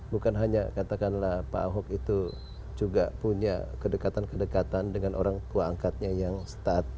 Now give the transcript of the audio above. bukan hanya katakanlah pak ahok itu juga punya kedekatan kedekatan dengan orang tua angkatnya yang start